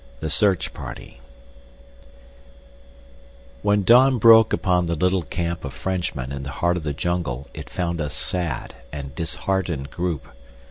The Search Party When dawn broke upon the little camp of Frenchmen in the heart of the jungle it found a sad and disheartened group.